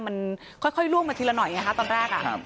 มันค่อยร่วมกันทีละหน่อยตอนแรก